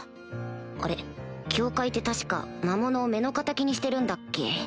あれ教会って確か魔物を目の敵にしてるんだっけ。